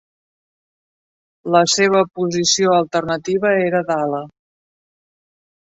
La seva posició alternativa era d'ala.